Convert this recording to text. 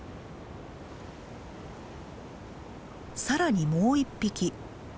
さらにもう１匹。